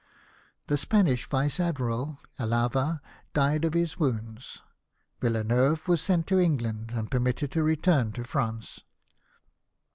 The Spanish Vice Admiral, Alava, died of his wounds. .Yilleneuve Avas sent to England, and permitted to return to France.